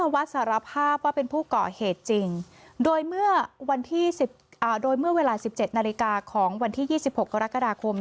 เวลา๑๗นาฬิกาของวันที่๒๖กรกฎาคม